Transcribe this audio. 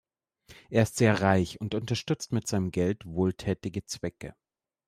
Er ist sehr reich und unterstützt mit seinem Geld wohltätige Zwecke.